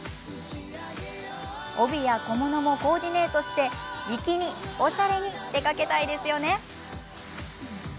帯や小物もコーディネートして粋におしゃれに出かけたいですよね。